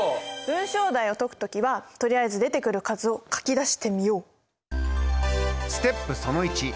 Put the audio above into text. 文章題を解く時はとりあえず出てくる数を書き出してみよう！